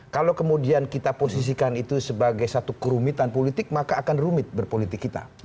kalau kemudian kita posisikan itu sebagai satu kerumitan politik maka akan rumit berpolitik kita